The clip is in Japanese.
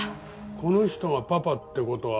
この人がパパって事は。